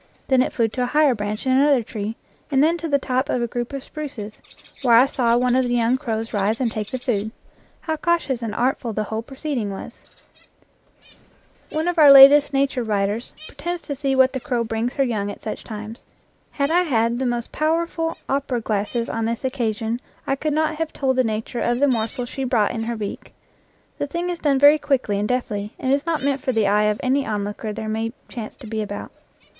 Then it flew to a higher branch in another tree, and then to the top of a group of spruces, where I saw one of the young crows rise and take the food. How cautious and artful the whole proceeding was ! One of our latest nature writers pretends to see what the crow brings her young at such times. Had I had the most powerful opera glasses on this occa sion, I could not have told the nature of the morsel she brought in her beak. The thing is done very quickly and deftly, and is not meant for the eye of any onlooker there may chance to be about.